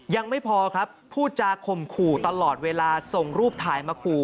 ยังไม่พอครับพูดจาข่มขู่ตลอดเวลาส่งรูปถ่ายมาขู่